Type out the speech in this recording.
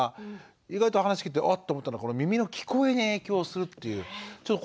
意外と話を聞いてあっと思ったのは耳の聞こえに影響するというこの部分。